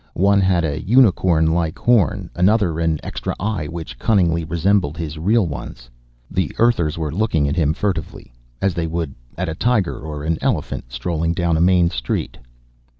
One had a unicorn like horn; another, an extra eye which cunningly resembled his real ones. The Earthers were looking at him furtively, as they would at a tiger or an elephant strolling down a main street.